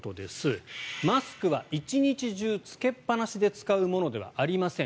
マスクは１日中着けっぱなしで使うものではありません。